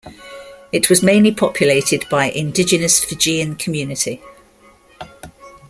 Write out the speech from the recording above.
It was mainly populated by Indigenous Fijian Community.